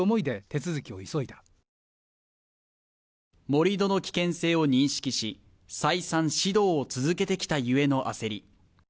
盛り土の危険性を認識し再三指導を続けてきた故の焦り